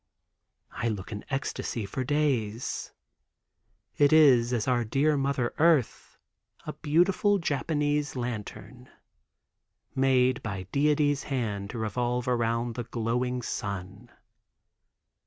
I look in ecstasy for days. It is, as is our dear mother earth, a beautiful Japanese lantern; made by Deity's hand to revolve around the glowing sun.